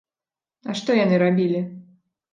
А што яны рабілі?